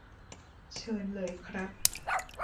เชิญเลยครับ